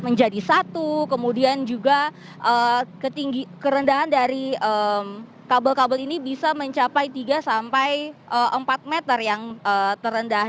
menjadi satu kemudian juga kerendahan dari kabel kabel ini bisa mencapai tiga sampai empat meter yang terendah